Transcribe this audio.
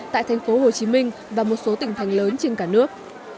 tại thành phố hồ chí minh và một số tỉnh thành lớn trên cả nước